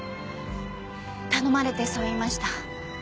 頼まれてそう言いました。